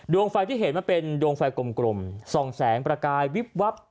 ไฟที่เห็นมันเป็นดวงไฟกลมส่องแสงประกายวิบวับ